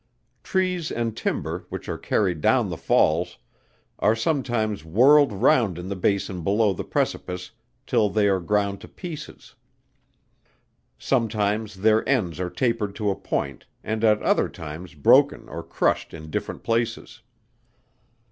Trees and timber, which are carried down the falls, are sometimes whirled round in the bason below the precipice till they are ground to pieces; sometimes their ends are tapered to a point, and at other times broken or crushed in different places.